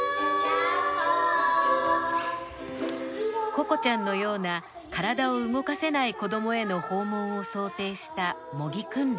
ここちゃんのような体を動かせない子どもへの訪問を想定した模擬訓練。